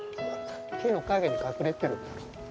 木の陰に隠れてる。